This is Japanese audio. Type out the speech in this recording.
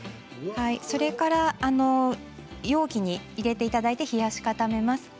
それから容器に入れていただいて冷やし固めます。